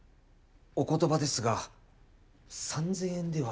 お言葉ですが３，０００円では。